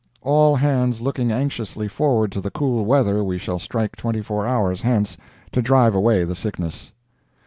"All hands looking anxiously forward to the cool weather we shall strike twenty four hours hence, to drive away the sickness."